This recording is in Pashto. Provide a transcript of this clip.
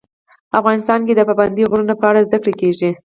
افغانستان کې د پابندی غرونه په اړه زده کړه کېږي.